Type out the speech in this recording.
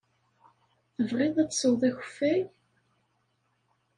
Tebɣiḍ ad tesweḍ akeffay?